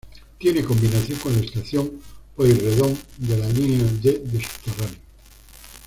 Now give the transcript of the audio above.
Tiene combinación con la estación Pueyrredón de la línea D de subterráneos.